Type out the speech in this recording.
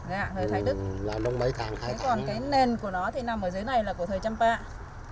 còn cái nền của nó thì nằm ở dưới này là của thời trăm ba